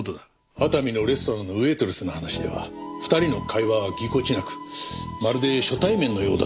熱海のレストランのウェートレスの話では２人の会話はぎこちなく「まるで初対面のようだった」と言ってる。